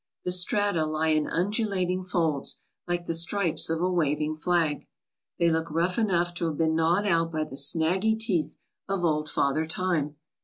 The strata lie in undulating folds, like the stripes of a waving flag. They look rough enough to have been gnawed out by the snaggy teeth of old Father Time.